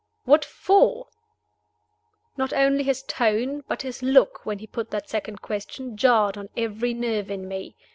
"What for?" Not only his tone, but his look, when he put that second question, jarred on every nerve in me.